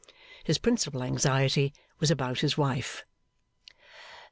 His principal anxiety was about his wife.